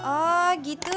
oh gitu ya